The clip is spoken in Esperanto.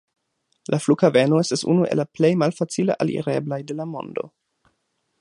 La flughaveno estas unu el la plej malfacile alireblaj de la mondo.